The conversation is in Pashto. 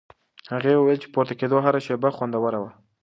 هغې وویل د پورته کېدو هره شېبه خوندوره وه.